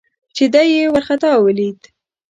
چې دای یې ورخطا ولید.